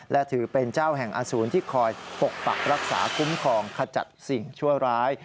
และถือเป็นเจ้าแห่งอสูรที่คอยปกปักรักษาคุ้มครองขจัดสิ่งชั่วร้าย